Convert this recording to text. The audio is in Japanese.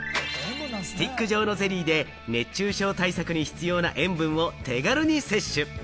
スティック状のゼリーで熱中症対策に必要な塩分を手軽に摂取。